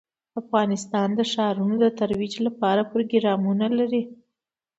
افغانستان د ښارونو د ترویج لپاره پروګرامونه لري.